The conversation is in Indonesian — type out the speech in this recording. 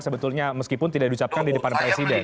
sebetulnya meskipun tidak diucapkan di depan presiden